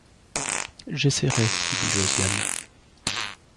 J’essaierai, dit Josiane.